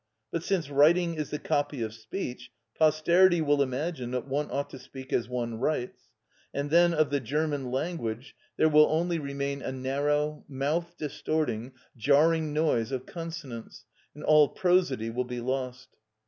But since writing is the copy of speech, posterity will imagine that one ought to speak as one writes; and then of the German language there will only remain a narrow, mouth distorting, jarring noise of consonants, and all prosody will be lost.